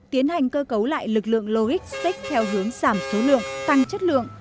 tiến hành cơ cấu lại lực lượng logistic theo hướng giảm số lượng tăng chất lượng